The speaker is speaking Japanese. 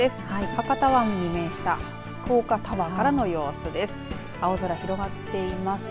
博多湾に面した福岡タワーからの様子です。